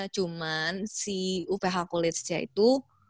cuman si uph kulitnya itu